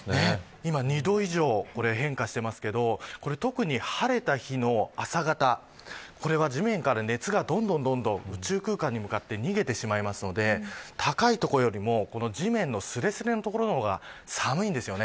今、２度以上変化してますけど特に晴れた日の朝方これは地面から、どんどん熱が宇宙空間に向かって逃げてしまうので高い所よりも地面のすれすれの所の方が寒いんです。